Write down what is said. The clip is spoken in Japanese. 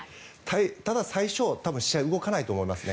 ただ、最初試合は動かないと思いますね。